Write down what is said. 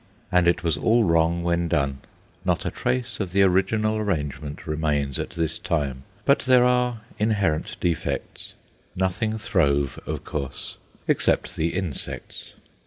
And it was all wrong when done; not a trace of the original arrangement remains at this time, but there are inherent defects. Nothing throve, of course except the insects.